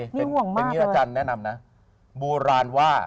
นี่ห่วงมากเลยเนี่ยอาจารย์แนะนำนะโบราณว่า